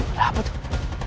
ada apa tuh